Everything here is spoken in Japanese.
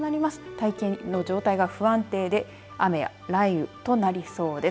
大気の状態が不安定で雨や雷雨となりそうです。